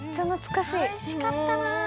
おいしかったな。